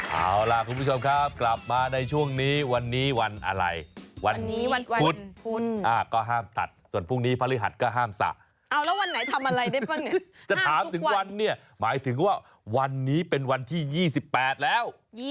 เอาล่ะคุณผู้ชมครับกลับมาในช่วงนี้วันนี้วันอะไรวันนี้วันพุธก็ห้ามตัดส่วนพรุ่งนี้พฤหัสก็ห้ามสระเอาแล้ววันไหนทำอะไรได้บ้างเนี่ยจะถามถึงวันเนี่ยหมายถึงว่าวันนี้เป็นวันที่๒๘แล้ว